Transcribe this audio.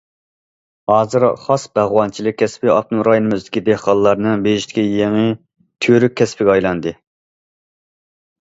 ھازىر، خاس باغۋەنچىلىك كەسپى ئاپتونوم رايونىمىزدىكى دېھقانلارنىڭ بېيىشىدىكى يېڭى تۈۋرۈك كەسىپكە ئايلاندى.